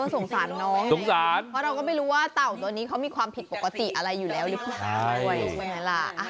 สงสารน้องสงสารเพราะเราก็ไม่รู้ว่าเต่าตัวนี้เขามีความผิดปกติอะไรอยู่แล้วหรือเปล่า